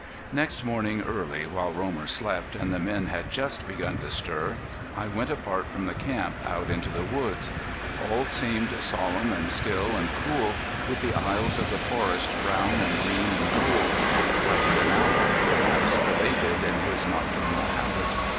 Next morning early, while Romer slept, and the men had just begun to stir, I went apart from the camp out into the woods. All seemed solemn and still and cool, with the aisles of the forest brown and green and gold. I heard an owl, perhaps belated in his nocturnal habit.